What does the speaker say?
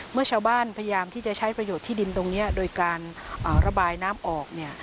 เมื่อชาวบ้านพยายามที่จะใช้ประโยชน์ที่ดินตรงนี้โดยการระบายน้ำออกเนี่ย